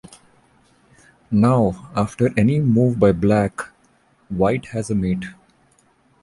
Now, after any move by Black, White has a mate.